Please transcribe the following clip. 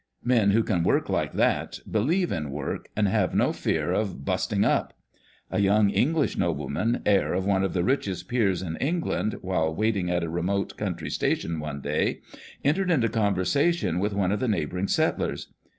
Men who can work like that, believe in work, and have no fear of " busting up." A young English nobleman, heir of one of the richest peers in England, while waiting at a remote country station one day, entered into conversa tion with one of the neighbouring settlers.